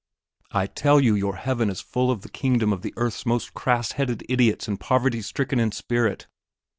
I tell you your Heaven is full of the kingdom of the earth's most crass headed idiots and poverty stricken in spirit!